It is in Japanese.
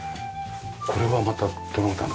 これはまたどなたの？